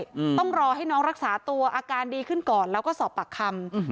อืมต้องรอให้น้องรักษาตัวอาการดีขึ้นก่อนแล้วก็สอบปากคำอืม